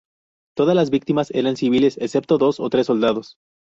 Todas las víctimas eran civiles excepto dos o tres soldados.